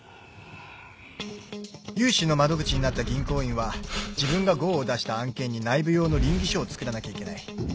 融資の窓口になった銀行員は自分がゴーを出した案件に内部用の稟議書を作らなきゃいけない。